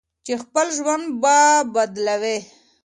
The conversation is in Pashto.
چې خپل ژوند به بدلوي.